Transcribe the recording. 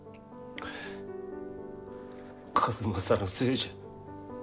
数正のせいじゃ。